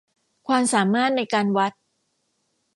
ความสามารถในการวัด